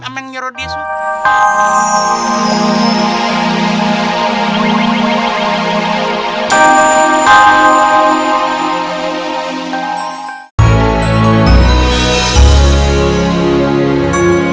amangnya rudy suka